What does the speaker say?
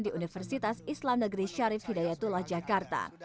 di universitas islam negeri syarif hidayatullah jakarta